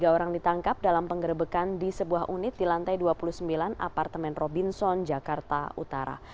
satu ratus tiga puluh tiga orang ditangkap dalam pengerebekan di sebuah unit di lantai dua puluh sembilan apartemen robinson jakarta utara